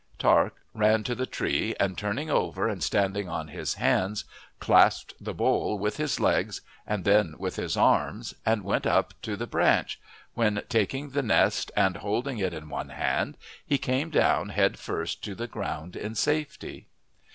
Tark ran to the tree, and turning over and standing on his hands, clasped the bole with his legs and then with his arms and went up to the branch, when taking the nest and holding it in one hand, he came down head first to the ground in safety.